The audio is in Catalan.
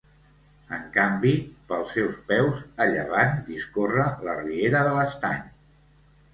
En canvi, pels seus peus, a llevant, discorre la Riera de l'Estany.